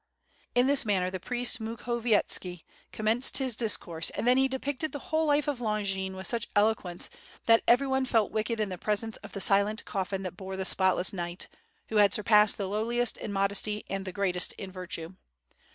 ...'* In this manner the priest Mukhovietski commenced his dis course, and then he depicted the whole life of Longin with such eloquence that everyone felt wicked in the presence of the silent coffin that bore the spotless knight, who had sur passed the lowliest in modesty and the greatest in virtue.